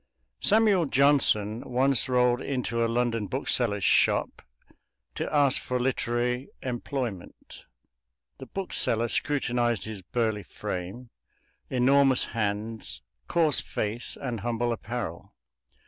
Samuel Johnson once rolled into a London bookseller's shop to ask for literary employment. The bookseller scrutinized his burly frame, enormous hands, coarse face, and humble apparel.